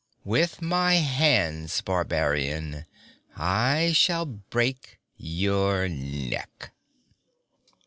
With my hands, barbarian, I shall break your neck!'